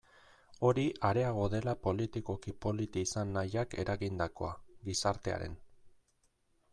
Hori areago dela politikoki polit izan nahiak eragindakoa, gizartearen.